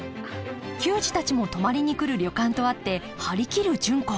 球児たちも泊まりに来る旅館とあって張り切る純子。